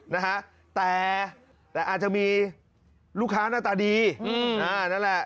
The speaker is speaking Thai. นะฮะแต่แต่อาจจะมีลูกค้าหน้าตาดีอืมอ่านั่นแหละ